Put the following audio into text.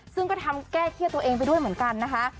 ซึ่งก็ทำแก้เครียดตัวเองไปด้วยเหมือนกันนะคะ